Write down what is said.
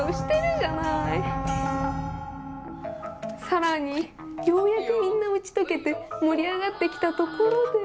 更にようやくみんな打ち解けて盛り上がってきたところで。